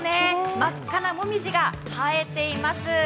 真っ赤な紅葉が映えています。